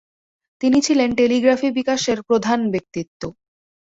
তিনি ছিলেন টেলিগ্রাফি বিকাশের প্রধান ব্যক্তিত্ব।